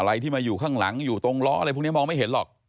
อะไรที่มาอยู่ข้างหลังอยู่ตรงล้ออะไรพวกนี้มองไม่เห็นหรอก